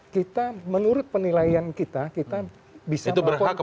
kita menurut penilaian kita kita bisa melakukan tindakan